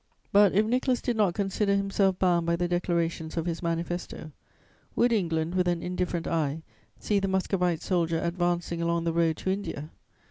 But, if Nicholas did not consider himself bound by the declarations of his manifesto, would England with an indifferent eye see the Muscovite soldier advancing along the road to India?